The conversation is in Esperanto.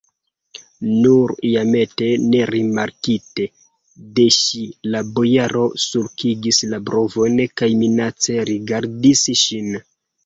Nur iatempe, nerimarkite de ŝi, la bojaro sulkigis la brovojn kaj minace rigardis ŝin.